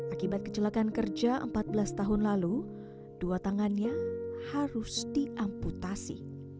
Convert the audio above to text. akibat kecelakaan kerja empat belas tahun lalu dua tangannya harus diamputasi